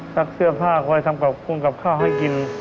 เสื้อผ้าคอยทำกับคงกับข้าวให้กิน